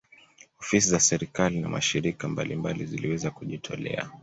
Ofisi za serikali na mashirika mbalimbali ziliweza kujitolea